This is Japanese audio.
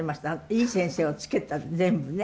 いい先生をつけたって全部ね。